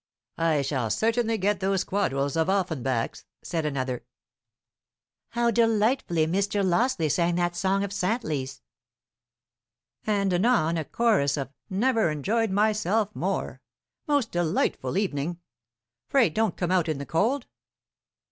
"I shall certainly get those quadrilles of Offenbach's," said another. "How delightfully Mr. Lawsley sang that song of Santley's!" And anon a chorus of "Never enjoyed myself more!" "Most delightful evening!" "Pray don't come out in the cold."